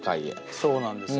そうなんですよ。